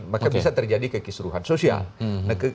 maka bisa terjadi kekisruhan sosial